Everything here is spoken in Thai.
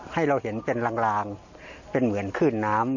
ให้เราเห็นเป็นลางเป็นเหมือนขึ้นน้ำ